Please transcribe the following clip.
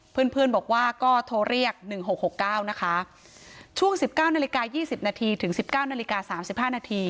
เพื่อนบอกว่าก็โทรเรียก๑๖๖๙นะคะช่วง๑๙น๒๐นถึง๑๙น๓๕น